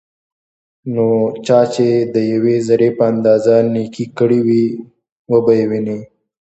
نو چا چې دیوې ذرې په اندازه نيکي کړي وي، وبه يې ويني